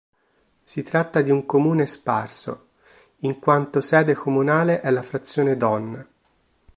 Si tratta di un comune sparso in quanto sede comunale è la frazione Don.